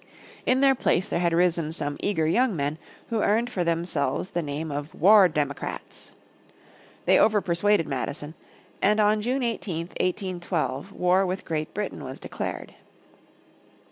In their place there had risen some eager young men who earned for themselves the name of War Democrats. They overpersuaded Madison, and on June 18th, 1812, war with Great Britain was declared.